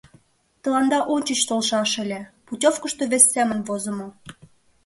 Тыланда ончыч толшаш ыле, путёвкышто вес семын возымо.